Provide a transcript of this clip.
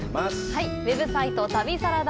はいウェブサイト旅サラダ